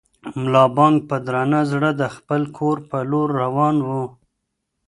ملا بانګ په درانه زړه د خپل کور په لور روان و.